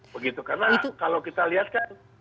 begitu karena kalau kita lihat kan